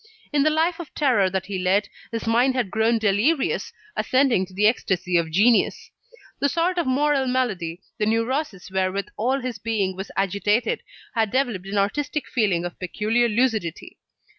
In the life of terror that he led, his mind had grown delirious, ascending to the ecstasy of genius. The sort of moral malady, the neurosis wherewith all his being was agitated, had developed an artistic feeling of peculiar lucidity.